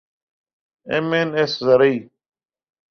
M N S زرعی